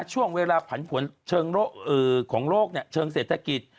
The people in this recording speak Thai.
ช่วงเวลาผันผวนเชิงของโลกเชิงเศรษฐกิจ